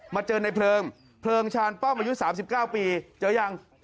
มาเจอในเพลิงเพลิงชาญป้องอายุสามสิบเก้าปีเจอยัง